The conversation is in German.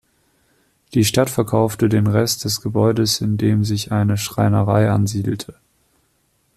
Die Stadt verkaufte den Rest des Gebäudes, in dem sich eine Schreinerei ansiedelte.